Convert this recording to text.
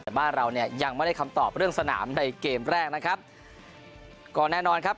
แต่บ้านเราเนี่ยยังไม่ได้คำตอบเรื่องสนามในเกมแรกนะครับก็แน่นอนครับ